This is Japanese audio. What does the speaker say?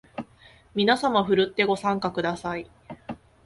みなさまふるってご参加ください